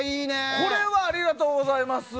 これはありがとうございます。